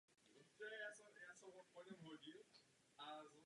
Ihned po volbě začal shromažďovat novou armádu a snažil se získat přátelství Franků.